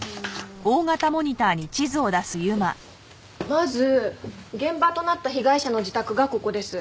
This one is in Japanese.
まず現場となった被害者の自宅がここです。